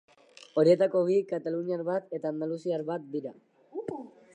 Horietako bi kataluniar bat eta andaluziar bat dira.